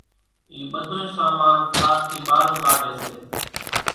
اِي ٻڌونئين سامان ٿار ٿي ٻارون ڪاڍي سي،